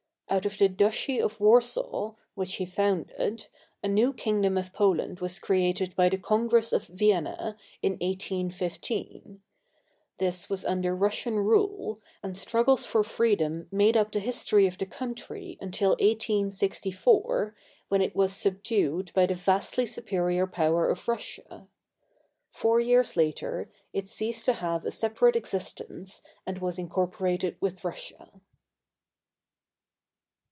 Out of the "Duchy of War saw," which he founded, a new kingdom of Poland was cre ated by the Congress of Vienna, in 181 5. This was under Russian rule, and struggles for freedom made up the history of the country until 1864, when it was subdued by the vastly superior power of Russia. Four years later, it ceased to have a separate existence and was incorporated with Russia.